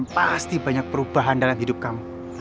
pasti banyak perubahan dalam hidup kamu